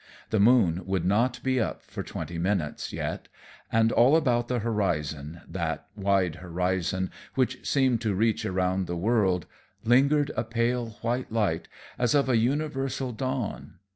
The moon would not be up for twenty minutes yet, and all about the horizon, that wide horizon, which seemed to reach around the world, lingered a pale, white light, as of a universal dawn.